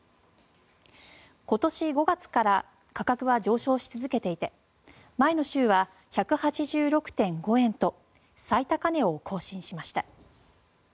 今年５月から価格は上昇し続けていて前の週は１８６．５円と最高値を更新しました。